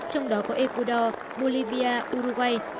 trong đó có ecuador bolivia uruguay